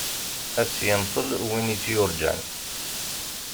Ad tt-yenṭel win i tt-yurğan.